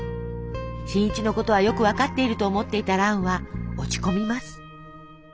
新一のことはよく分かっていると思っていた蘭は落ち込みます。